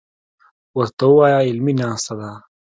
ورته وايه علمي ناسته ده.